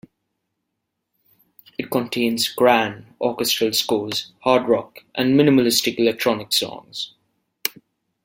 It contains grand orchestral scores, hard rock, and minimalistic electronic songs.